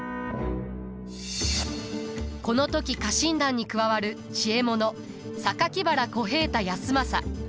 この時家臣団に加わる知恵者原小平太康政。